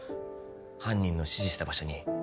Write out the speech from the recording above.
犯人の指示した場所に